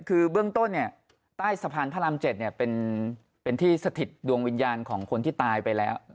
คือเบื้องต้นใต้สะพานพระราม๗เป็นที่สถิตดวงวิญญาณของคนที่ตายไปแล้ว